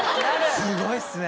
すごいっすね。